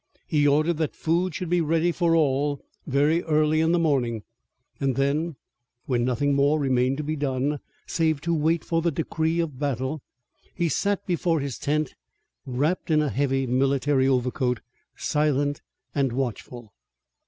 He ordered that food should be ready for all very early in the morning, and then, when nothing more remained to be done, save to wait for the decree of battle, he sat before his tent wrapped in a heavy military overcoat, silent and watchful.